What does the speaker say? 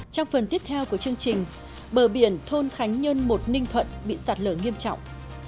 trong phần tiếp theo của chương trình bờ biển thôn khánh nhân một ninh thuận bị sạt lở nghiêm trọng